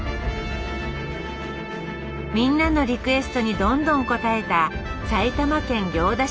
みんなのリクエストにどんどん応えた埼玉県行田市の「家族に一杯」